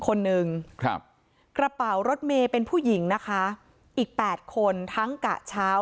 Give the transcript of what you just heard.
คนหนึ่งครับกระเป๋ารถเมย์เป็นผู้หญิงนะคะอีกแปดคนทั้งกะเช้า